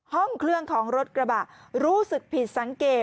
ห้องเครื่องของรถกระบะรู้สึกผิดสังเกต